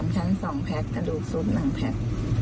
๓ชั้น๒แพ็คอันดูซุป๑แพ็ค